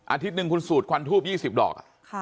อาทิตย์หนึ่งคุณสูดควันทูบ๒๐ดอก